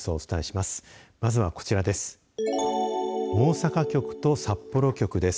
まずはこちらです。